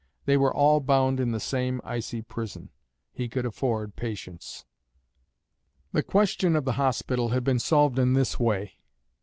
They were all bound in the same icy prison; he could afford patience. The question of the hospital had been solved in this way.